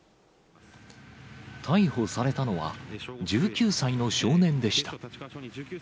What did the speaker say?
逮捕されたのは、１９歳の少年でした。